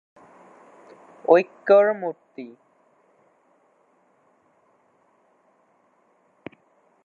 ঐক্যের মূর্তি